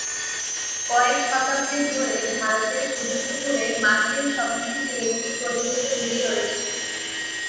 কয়েক শতাব্দী ধরে, ভারতের ছোট পুকুরে মাছের সংস্কৃতির একটি প্রচলিত রীতি রয়েছে।